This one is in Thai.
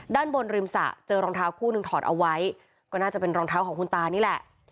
ด้านบนริมสระเจอรองเท้าคู่หนึ่งถอดเอาไว้ก็น่าจะเป็นรองเท้าของคุณตานี่แหละ